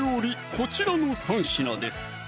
こちらの３品です